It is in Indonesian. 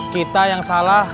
kita yang salah